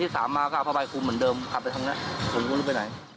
พี่โมงขนว่าไหนครับ